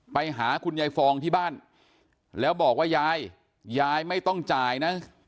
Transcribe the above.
ไปหาคุณยายฟองที่บ้านแล้วบอกว่ายายยายไม่ต้องจ่ายนะ